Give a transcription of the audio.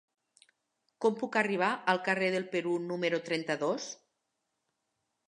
Com puc arribar al carrer del Perú número trenta-dos?